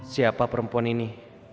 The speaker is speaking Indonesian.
siapa perempuan ini